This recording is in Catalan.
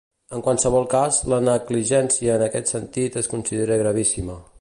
En qualsevol cas, la negligència en aquest sentit es considera gravíssima.